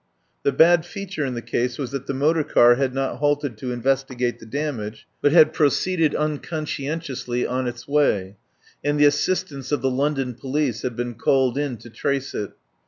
The bad feature in the case was that the motor car had not halted to investigate the damage, but had pro 31 THE POWER HOUSE ceeded unconscientiously on its way, and the assistance of the London police had been called in to trace it.